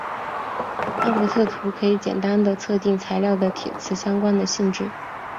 阿罗特图可以简单地测定材料的铁磁相关的性质。